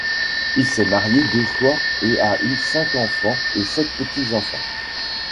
Il s'est marié deux fois et a eu cinq enfants et sept petits-enfants.